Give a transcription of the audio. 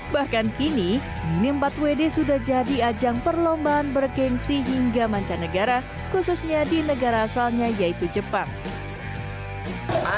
bahkan kini mini empat wd sudah jadi ajang perlombaan bergensi hingga mancanegara khususnya di negara asalnya yaitu jepang